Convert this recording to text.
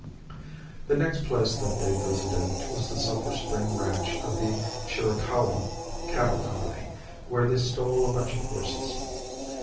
The next place that they visited was the Sulphur Spring ranch of the Chiricahua Cattle Company, where they stole a bunch of horses.